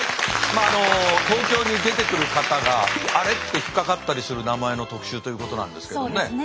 東京に出てくる方が「あれ？」って引っかかったりする名前の特集ということなんですけどね。